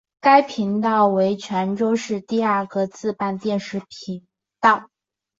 该频道为泉州市区第二个自办电视频道。